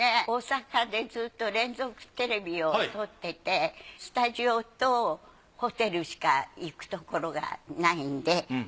大阪でずっと連続テレビを撮っていてスタジオとホテルしか行くところがないんで